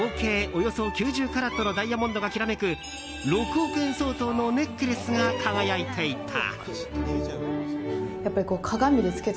およそ９０カラットのダイヤモンドがきらめく６億円相当のネックレスが輝いていた。